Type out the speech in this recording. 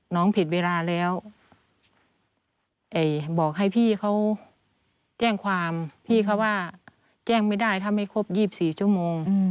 ผิดเวลาแล้วบอกให้พี่เขาแจ้งความพี่เขาว่าแจ้งไม่ได้ถ้าไม่ครบ๒๔ชั่วโมง